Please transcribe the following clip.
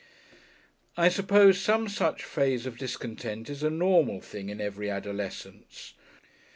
I suppose some such phase of discontent is a normal thing in every adolescence.